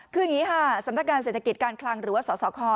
คืออย่างนี้ค่ะสำนักงานเศรษฐกิจการคลังหรือว่าสสค